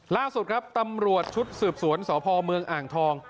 ล่าสุดครับตำรวจชุดสืบสวนสพเมืองอ่างทอง